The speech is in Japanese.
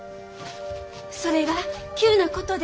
それが急なことで。